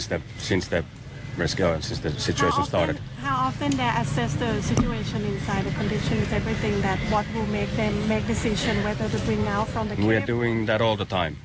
คลักษณ์โอกัดตอนนี้เขาก็คิดว่าเกี้ยวว่าเกี่ยววันเป็นไหน